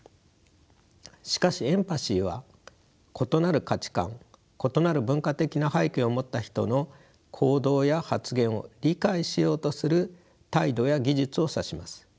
しかしエンパシーは異なる価値観異なる文化的な背景を持った人の行動や発言を理解しようする態度や技術を指します。